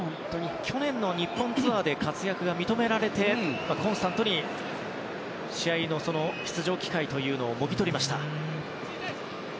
去年の日本ツアーで活躍が認められてコンスタントに試合の出場機会をもぎ取りました。